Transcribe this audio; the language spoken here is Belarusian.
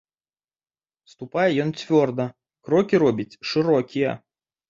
Ступае ён цвёрда, крокі робіць шырокія.